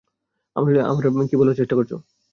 আমায় কী বলার চেষ্টা করছো?